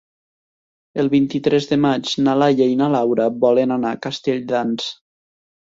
El vint-i-tres de maig na Laia i na Laura volen anar a Castelldans.